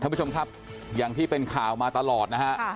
ท่านผู้ชมครับอย่างที่เป็นข่าวมาตลอดนะฮะ